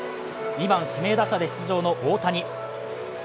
２番・指名打者で出場の大谷。